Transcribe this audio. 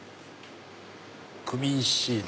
クミンシード。